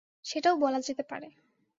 সেটাও বলা যেতে পারে।